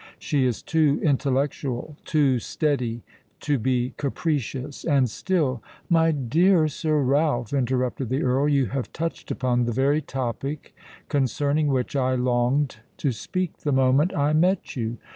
She is too intellectual—too steady—to be capricious; and still——" "My dear Sir Ralph," interrupted the Earl, "you have touched upon the very topic concerning which I longed to speak the moment I met you.